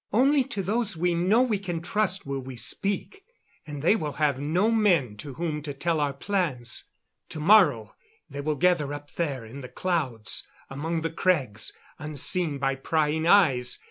Only to those we know we can trust will we speak and they will have no men to whom to tell our plans. To morrow they will gather up there in the clouds, among the crags, unseen by prying eyes.